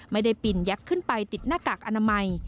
ไม่ได้ปิ่นแยกขึ้นไปติดหน้ากากอนามัย